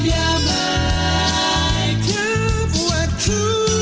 tiap baik tiap waktu